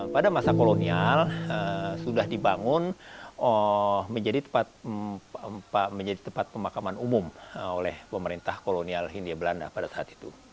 pada masa kolonial sudah dibangun menjadi tempat pemakaman umum oleh pemerintah kolonial hindia belanda pada saat itu